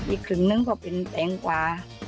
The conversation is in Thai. อีกครึ่งนึงก็เป็นแตงกวา